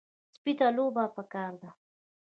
سپي ته لوبه پکار ده.